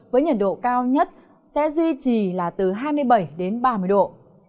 với nhiệt độ cao nhất sẽ duy trì là từ hai mươi bảy đến ba mươi độ